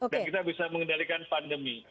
dan kita bisa mengendalikan pandemi